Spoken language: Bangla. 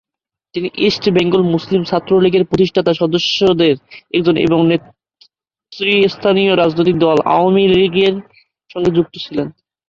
তিনি ইস্ট বেঙ্গল মুসলিম ছাত্রলীগের প্রতিষ্ঠাতা সদস্যদের একজন এবং নেতৃস্থানীয় রাজনৈতিক দল আওয়ামী লীগের সঙ্গে যুক্ত ছিলেন।